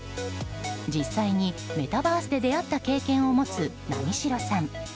実際にメタバースで出会った経験を持つ、なみしろさん。